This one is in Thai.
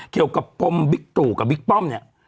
เกี่ยวกับพรมวิกตู่กับวิกป้อมเนี่ย